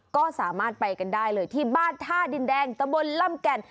ก็สามารถไปกันได้เลยที่บ้านท่าดินแดงตะบนล่ำแก่น